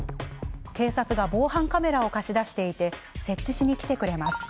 警察が防犯カメラを貸し出していて設置しに来てくれます。